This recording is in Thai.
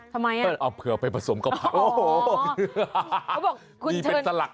ทำไมน่ะโอ้โหเอาเพื่อไปผสมก้าวผัก